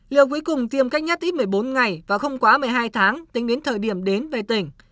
liều cuối cùng tiêm cách nhà tí một mươi bốn ngày và không quá một mươi hai tháng tính đến thời điểm đến về tỉnh